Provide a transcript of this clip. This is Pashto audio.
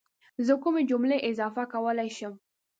زه کومې جملې اضافه کولی شم؟